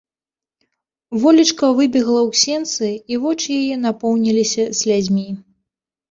Волечка выбегла ў сенцы, і вочы яе напоўніліся слязьмі.